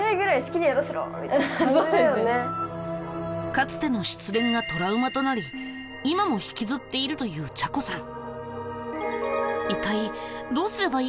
かつての失恋がトラウマとなり今も引きずっているというちゃこさん。